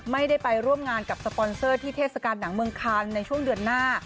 ไม่ได้ไปร่วมงานกับสปอนเซอร์ที่เทศกาลหนังเมืองคานในช่วงเดือนหน้า